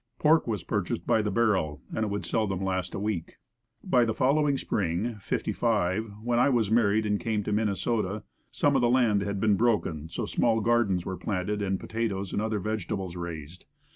Pork was purchased by the barrel and it would seldom last a week. By the following spring, '55, when I was married and came to Minnesota some of the land had been broken, so small gardens were planted and potatoes and other vegetables raised.